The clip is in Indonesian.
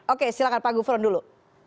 oke silahkan pak gufron dulu